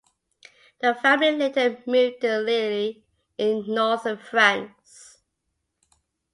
The family later moved to Lille in northern France.